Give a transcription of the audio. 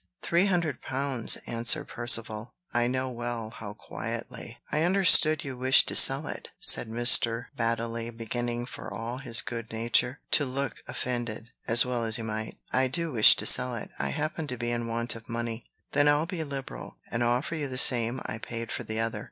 "Three hundred pounds," answered Percivale, I know well how quietly. "I understood you wished to sell it," said Mr. Baddeley, beginning, for all his good nature, to look offended, as well he might. "I do wish to sell it. I happen to be in want of money." "Then I'll be liberal, and offer you the same I paid for the other.